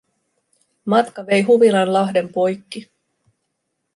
Matka vei huvilan lahden poikki.